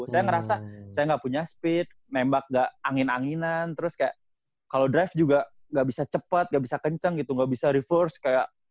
saya ngerasa saya nggak punya speed nembak gak angin anginan terus kayak kalau drive juga gak bisa cepat gak bisa kenceng gitu gak bisa reverse kayak